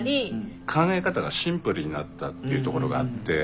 考え方がシンプルになったっていうところがあって。